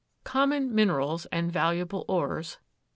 _ COMMON MINERALS AND VALUABLE ORES.